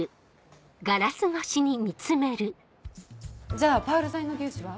じゃあパール剤の粒子は？